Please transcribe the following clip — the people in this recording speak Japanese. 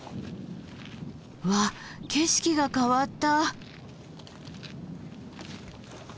わあ景色が変わった。